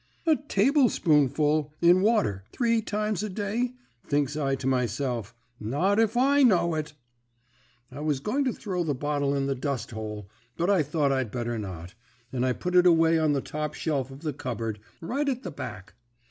"'A tablespoonful, in water, three times a day,' thinks I to myself. 'Not if I know it.' "I was going to throw the bottle in the dusthole, but I thought I'd better not, and I put it away on the top shelf of the cupboard, right at the back.